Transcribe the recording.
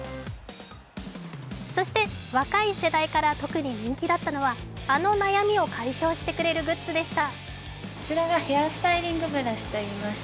そして、若い世代から特に人気だったのはあの悩みを解消してくれるグッズでした。